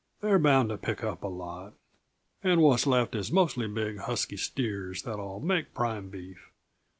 "They're bound to pick up a lot and what's left is mostly big, husky steers that'll make prime beef.